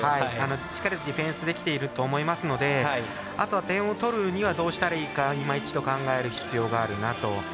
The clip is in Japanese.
しっかりとディフェンスできていると思いますのであとは点を取るにはどうしたらいいかいま一度考える必要があるなと。